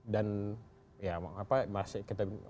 dan ya apa masih